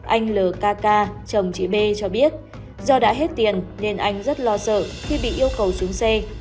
anh l k k chồng chị b cho biết do đã hết tiền nên anh rất lo sợ khi bị yêu cầu xuống xe